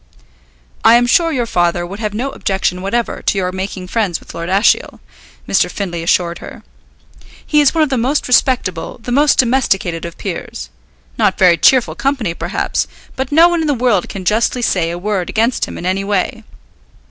"I am sure your father would have no objection whatever to your making friends with Lord Ashiel," Mr. Findlay assured her. "He is one of the most respectable, the most domesticated of peers. Not very cheerful company, perhaps, but no one in the world can justly say a word against him in any way.